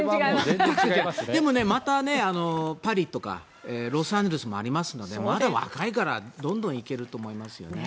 でも、パリとかロサンゼルスもありますのでまだ若いからどんどん行けると思いますよね。